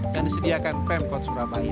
dan disediakan pemkot surabaya